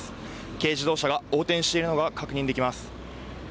軽自動車が横転しているのが確認できます。